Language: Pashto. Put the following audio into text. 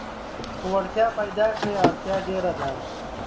که وړتيا پيداکړې اړتيا ډېره ده.